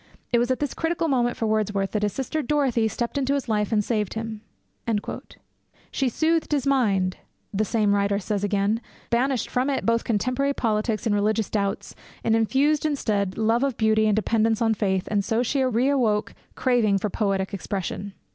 It was at this critical moment for Wordsworth that his sister Dorothy stepped into his life and saved him.' 'She soothed his mind,' the same writer says again, banished from it both contemporary politics and religious doubts, and infused instead love of beauty and dependence on faith, and so she re awoke craving for poetic expression.'